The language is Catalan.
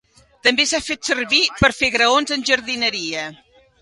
També s'ha fet servir per fer graons en jardineria.